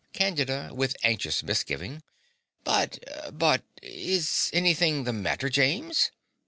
CANDIDA (with anxious misgiving). But but Is anything the matter, James?